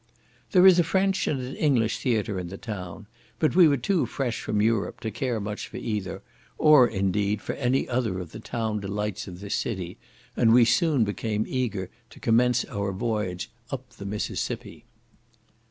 There is a French and an English theatre in the town; but we were too fresh from Europe to care much for either; or, indeed, for any other of the town delights of this city, and we soon became eager to commence our voyage up the Mississippi.